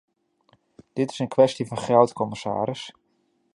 Dit is een kwestie van geld, commissaris.